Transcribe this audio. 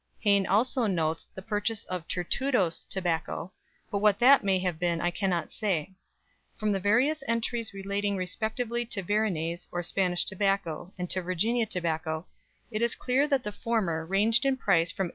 Hayne also notes the purchase of "Tertudoes" tobacco, but what that may have been I cannot say. From the various entries relating respectively to Varinaes or Spanish tobacco, and to Virginia tobacco, it is clear that the former ranged in price from 8s.